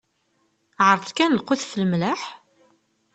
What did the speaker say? Ɛreḍ kan lqut ɣef lmelḥ?